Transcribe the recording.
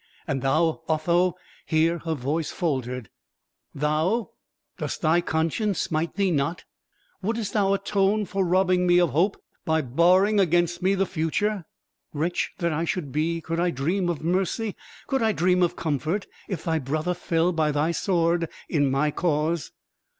And thou, Otho" here her voice faltered "thou, does thy conscience smite thee not? wouldst thou atone for robbing me of hope by barring against me the future? Wretch that I should be, could I dream of mercy could I dream of comfort, if thy brother fell by thy sword in my cause?